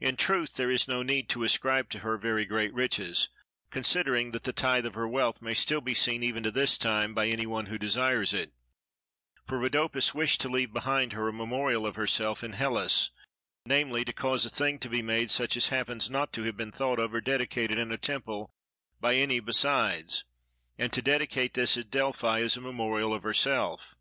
In truth there is no need to ascribe to her very great riches, considering that the tithe of her wealth may still be seen even to this time by any one who desires it: for Rhodopis wished to leave behind her a memorial of herself in Hellas, namely to cause a thing to be made such as happens not to have been thought of or dedicated in a temple by any besides, and to dedicate this at Delphi as a memorial of herself.